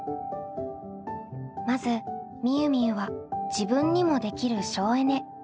まずみゆみゆは自分にもできる省エネについて調べます。